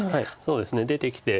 そうですね出てきて。